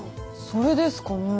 それですかね？